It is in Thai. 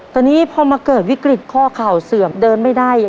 ตอนนี้พอมาเกิดวิกฤตข้อเข่าเสื่อมเดินไม่ได้